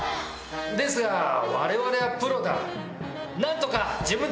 ですが我々はプロだ。